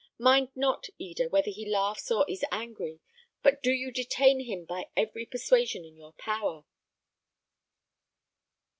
Mind not, Eda, whether he laughs or is angry, but do you detain him by every persuasion in your power."